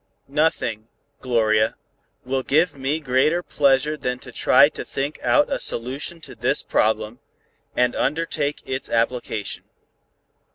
Nothing, Gloria, will give me greater pleasure than to try to think out a solution to this problem, and undertake its application."